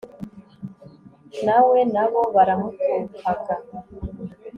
na we na bo baramutukaga